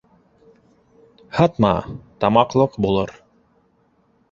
Һатма, тамаҡлыҡ булыр.